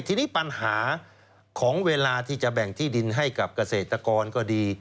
ทีนี้ปัญหาของเวลาที่จะแบ่งที่ดินให้กับเกษตรกรก็ดี